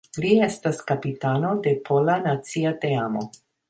Li estas kapitano de pola nacia teamo.